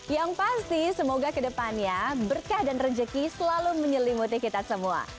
yang pasti semoga ke depannya berkah dan rejeki selalu menyelimuti kita semua